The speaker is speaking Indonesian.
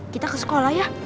kita ke sekolah ya